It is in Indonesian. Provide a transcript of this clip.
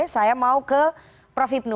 saya mau ke prof hipno